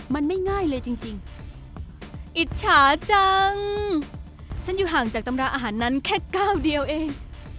มันไม่ง่ายเลยจริง